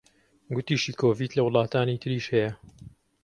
گوتیشی کۆڤید لە وڵاتانی تریش هەیە